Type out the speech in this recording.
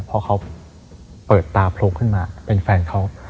พอเขาเปิดตาโพลขึ้นมาเป็นแฟนเขา